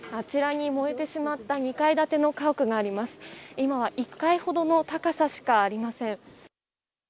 今は１階ほどの高さしかありません。